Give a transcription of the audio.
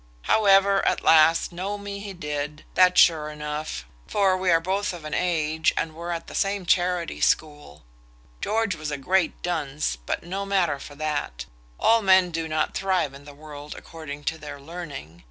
However, at last, know me he did, that's sure enough; for we are both of an age, and were at the same charity school. George was a great dunce, but no matter for that; all men do not thrive in the world according to their learning.